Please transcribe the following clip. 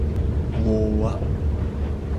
を―あ